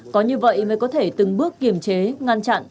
có như vậy mới có thể từng bước kiềm chế ngăn chặn